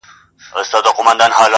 تر قیامته ورته نه سم ټینګېدلای؛